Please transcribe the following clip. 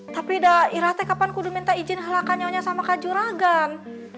tapi dah irate kapan kudu minta izin helakannya sama kak juragan